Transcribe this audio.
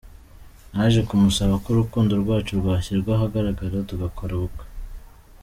Naje kumusaba ko urukundo rwacu rwashyirwa ahagaragara, tugakora ubukwe.